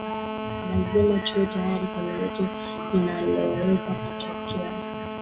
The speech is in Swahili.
lazima tuwe tayari kwa lolote linaloweza kutokea